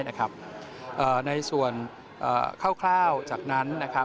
ในส่วนคร่าวจากนั้น